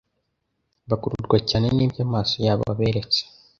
bakururwa cyane n'ibyo amaso yabo aberetse,